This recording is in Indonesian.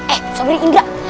eh sobri indra